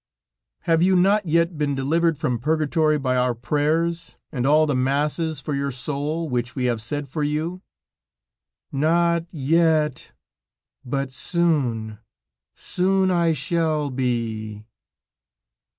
"Have you not yet been delivered from purgatory by our prayers, and all the masses for your soul, which we have said for you?" "Not yet, but soon, soon I shall be."